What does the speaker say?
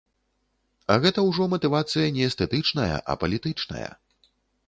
А гэта ўжо матывацыя не эстэтычная, а палітычная.